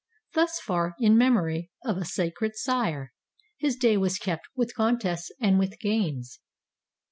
Thus far, in memory of a sacred sire, His day was kept, with contests and with games.